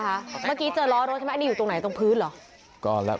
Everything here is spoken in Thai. เมื่อกี้เจอล้อรถใช่ไหมอันนี้อยู่ตรงไหนตรงพื้นเหรอ